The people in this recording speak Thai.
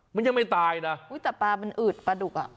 มันยังไม่ตายนะแต่ปลามันอืดปลาดุกอ่ะ